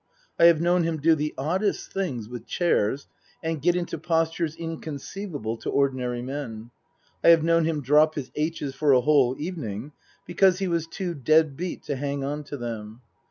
I have known him do the oddest things with chairs and get into postures inconceivable to ordinary men. I have known him drop his aitches for a whole evening because he was too dead beat to hang on to them.